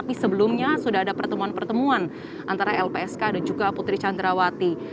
pertemuan pertemuan antara lpsk dan juga putri candrawati